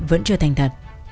vẫn chưa thành thật